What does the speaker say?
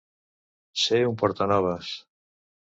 Ser un portanoves.